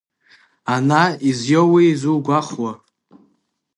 Ана изиоуи зугәахәуа?